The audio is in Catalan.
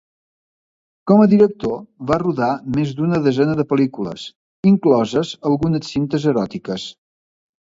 Com a director va rodar més d'una desena de pel·lícules, incloses algunes cintes eròtiques.